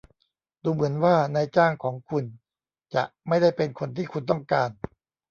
ดูเหมือนว่านายจ้างของคุณจะไม่ได้เป็นคนที่คุณต้องการ